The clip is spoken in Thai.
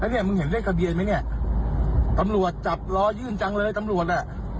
เนี่ยมึงเห็นเลขทะเบียนไหมเนี่ยตำรวจจับรอยื่นจังเลยตำรวจอ่ะ